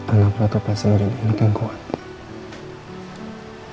anak protoplasma yang lebih kuat